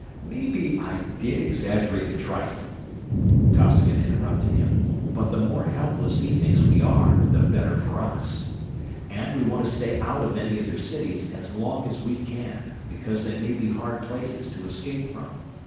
"Maybe I did exaggerate a trifle," Costigan interrupted him, "but the more helpless he thinks we are the better for us. And we want to stay out of any of their cities as long as we can, because they may be hard places to escape from.